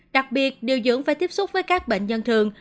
đặc biệt điều dưỡng phải tiếp xúc với các bệnh dân thường